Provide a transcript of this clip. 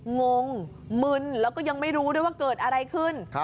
งงมึนแล้วก็ยังไม่รู้ด้วยว่าเกิดอะไรขึ้น